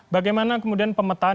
bagaimana kemudian pemetaan